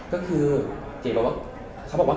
ก็คือเจรว่าเขาบอกว่า